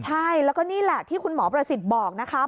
ใช่แล้วก็นี่แหละที่คุณหมอประสิทธิ์บอกนะคะ